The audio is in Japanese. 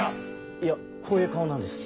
いやこういう顔なんです。